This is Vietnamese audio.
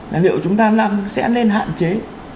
là liệu chúng ta sẽ nên hạn chế